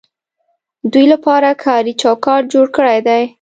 دوی لپاره کاري چوکاټ جوړ کړی دی.